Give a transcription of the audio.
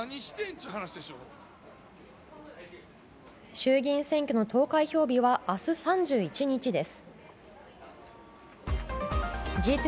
衆議院選挙の投開票日は明日３１日です。